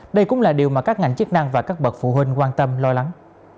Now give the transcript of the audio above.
đây cũng là điều mà các ngành chức năng và các bậc phụ huynh quan tâm lo lắng